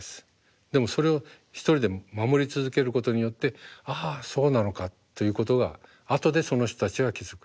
でもそれを一人で守り続けることによって「ああそうなのか」ということが後でその人たちが気付く。